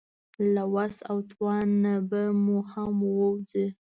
له وس او توان نه به مو هم ووځي.